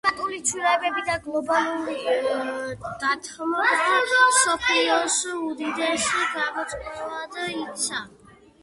კლიმატური ცვლილებები და გლობალური დათბობა მსოფლიოს უდიდეს გამოწვევად იქცა